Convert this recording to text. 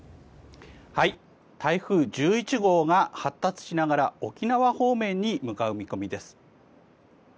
台風１１号が発達しながら沖縄方面に向かう見込みです。